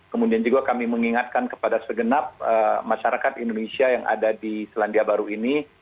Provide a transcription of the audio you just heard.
kemudian juga kami mengingatkan kepada segenap masyarakat indonesia yang ada di selandia baru ini